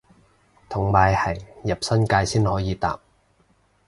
同埋係入新界先可以搭